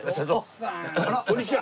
あらこんにちは。